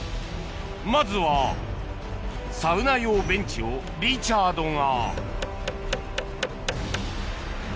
まずはサウナ用ベンチをリチャードがが！